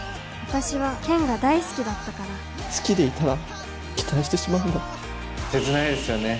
私は健が大好きだったから好きでいたら期待してしまうんだせつないですよね